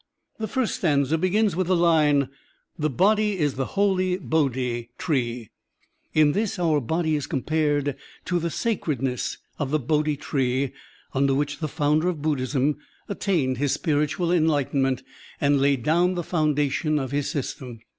The first stanza begins with the line, "The body is the holy Bodhi tree." In this, our body is compared to the sacredness of the Bodhi tree tmder which the foimder of Buddhism attained his spiritual enlightenment and laid down the foundation of his system.